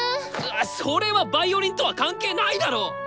それはヴァイオリンとは関係ないだろ！